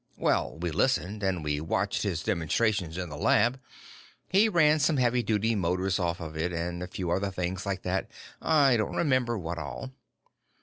Well, we listened, and we watched his demonstrations in the lab. He ran some heavy duty motors off it and a few other things like that. I don't remember what all."